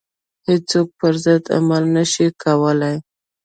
هیڅوک پر ضد عمل نه شي کولای.